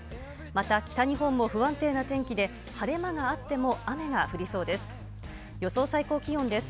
また、北日本も不安定な天気で、晴れ間があっても雨が降りそうです。